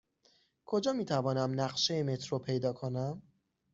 کجا می توانم نقشه مترو پیدا کنم؟